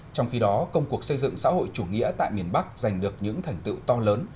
trong khi đó công cuộc xây dựng xã hội chủ nghĩa tại miền bắc giành được những thành tựu to lớn